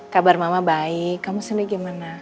kabar mama baik kamu sendiri gimana